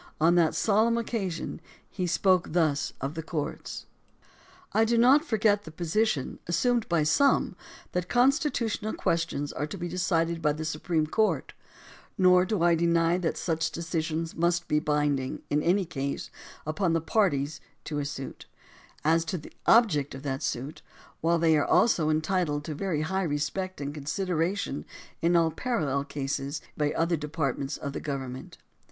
On that soleron occasion he spoke thus of the courts: I do not forget the position, assumed by some, that con stitutional questions are to be decided by the Supreme Court; nor do I deny that such decisions must be binding, in any case, upon the parties to a suit, as to the object of that suit, while they are also entitled to very high respect and consideration in all parallel cases by all other departments of the govern ment.